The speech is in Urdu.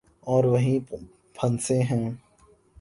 اور وہیں پھنسے ہیں۔